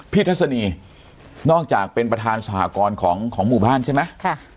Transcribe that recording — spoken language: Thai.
ทัศนีนอกจากเป็นประธานสหกรณ์ของหมู่บ้านใช่ไหม